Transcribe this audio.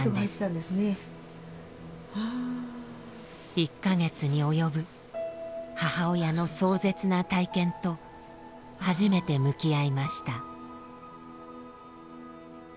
１か月に及ぶ母親の壮絶な体験と初めて向き合いました。